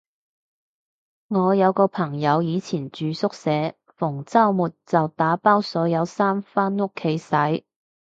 我有個朋友以前住宿舍，逢周末就打包所有衫返屋企洗